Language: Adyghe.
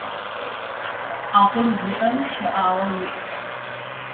Акъыл зиIэм щэIагъэ иI.